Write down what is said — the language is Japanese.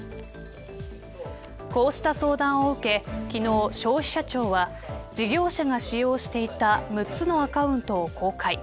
こうした相談を受け昨日、消費者庁は事業者が使用していた６つのアカウントを公開。